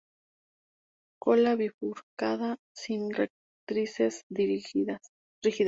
Cola bifurcada sin rectrices rígidas.